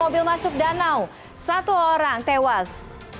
mobil masuk danau satu orang tewas